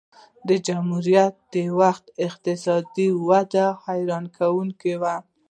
د جمهوریت د وخت اقتصادي وده حیرانوونکې وه.